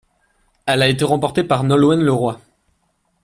Elle a été remportée par Nolwenn Leroy.